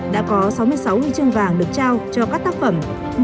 đã có sáu mươi sáu huy chương vàng được trao cho các tác phẩm